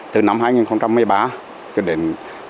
từ năm hai nghìn một mươi ba đến hai nghìn một mươi bốn